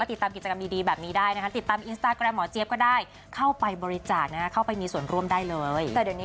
ตอนนี้กำลังติดต่อประสานงานกันด้วย